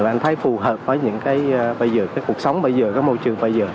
anh thấy phù hợp với những cuộc sống bây giờ môi trường bây giờ